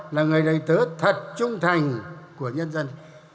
là người đại tớ thật trung thành của nhân dân